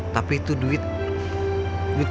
tapi itu duit